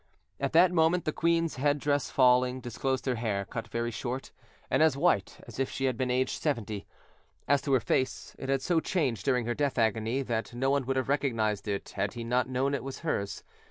At that moment the queen's headdress falling, disclosed her hair, cut very short, and as white as if she had been aged seventy: as to her face, it had so changed during her death agony that no one would have recognised it had he not known it was hers.